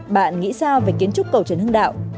bạn nghĩ sao về kiến trúc cầu trần hưng đạo